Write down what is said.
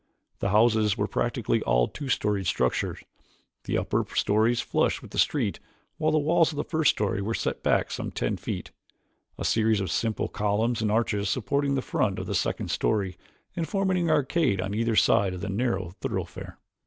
The houses were practically all two storied structures, the upper stories flush with the street while the walls of the first story were set back some ten feet, a series of simple columns and arches supporting the front of the second story and forming an arcade on either side of the narrow thoroughfare.